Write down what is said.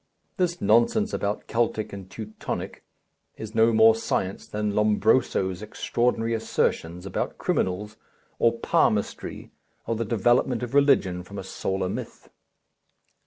This nonsense about Keltic and Teutonic is no more science than Lombroso's extraordinary assertions about criminals, or palmistry, or the development of religion from a solar myth.